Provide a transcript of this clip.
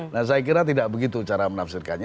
nah saya kira tidak begitu cara menafsirkannya